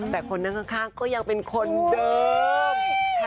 แต่คนนั่งข้างก็ยังเป็นคนเดิม